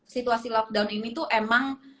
situasi lockdown ini tuh emang